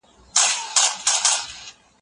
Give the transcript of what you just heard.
د عزت ساتني دپاره حوصله مهمه ده.